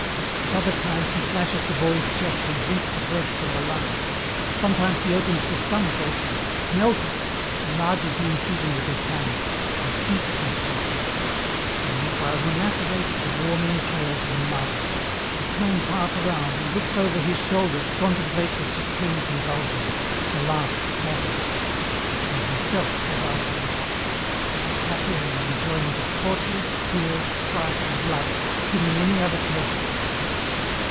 At other times he slashes the boy's chest and drinks the breath from the lungs; sometimes he opens the stomach also, smells it, enlarges the incision with his hands, and seats himself in it. Then while he macerates the warm entrails in mud, he turns half around and looks over his shoulder to contemplate the supreme convulsions, the last spasms. He himself says afterwards, 'I was happier in the enjoyment of tortures, tears, fright, and blood, than in any other pleasure.'